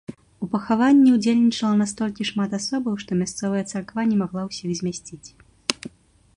У пахаванні ўдзельнічала настолькі шмат асобаў, што мясцовая царква не магла ўсіх змясціць.